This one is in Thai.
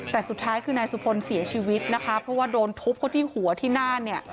แต่สุดท้ายคือนายสุพลเสียชีวิตนะคะเพราะว่าโดนทุบเขาที่หัวที่หน้าเนี่ย